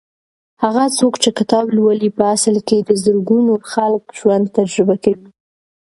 هغه څوک چې کتاب لولي په اصل کې د زرګونو خلکو ژوند تجربه کوي.